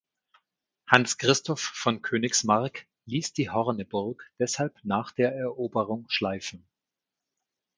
Hans Christoph von Königsmarck ließ die Horneburg deshalb nach der Eroberung schleifen.